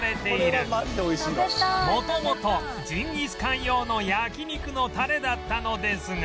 元々ジンギスカン用の焼肉のタレだったのですが